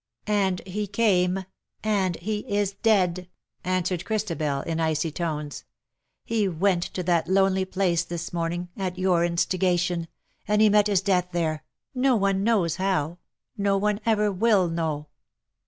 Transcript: ^'" And he came — and he is dead/' answered Chris tabel, in icy tones. " He went to that lonely place this morning — at your instigation — and he met his death there — no one knows how — no one ever will know.''